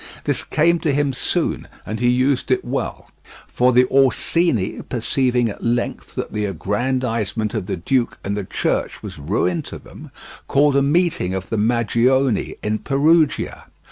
This came to him soon and he used it well; for the Orsini, perceiving at length that the aggrandizement of the duke and the Church was ruin to them, called a meeting of the Magione in Perugia.